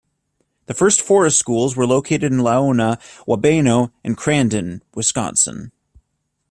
The first forest schools were located in Laona, Wabeno and Crandon, Wisconsin.